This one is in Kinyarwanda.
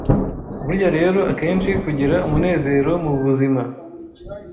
Burya rero, akenshi kugira umunezero mu buzima